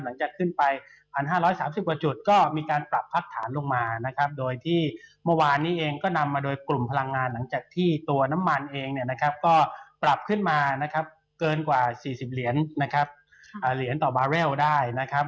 หลังจากขึ้นไป๑๕๓๐กว่าจุดก็มีการปรับพัดฐานลงมานะครับโดยที่เมื่อวานนี้เองก็นำมาโดยกลุ่มพลังงานหลังจากที่ตัวน้ำมันเองเนี่ยนะครับก็ปรับขึ้นมานะครับเกินกว่า๔๐เหรียญนะครับเหรียญต่อบาร์เรลได้นะครับ